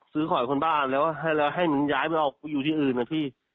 ขอยคนบ้านแล้วให้มันย้ายไปออกอยู่ที่อื่นนะพี่